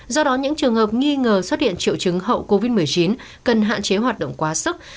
do đó những trường hợp nghi ngờ xuất hiện triệu chứng hậu covid một mươi chín cần hạn chế hoạt động quá sức